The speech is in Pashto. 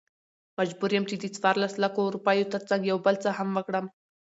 مجبور يم چې دڅورلسو لکو، روپيو ترڅنګ يو بل څه هم وکړم .